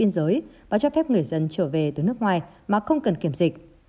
biên giới và cho phép người dân trở về từ nước ngoài mà không cần kiểm dịch